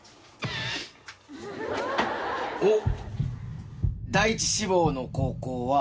おっ！